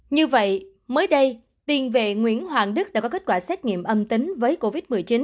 như vậy mới đây tiền vệ nguyễn hoàng đức đã có kết quả xét nghiệm âm tính với covid một mươi chín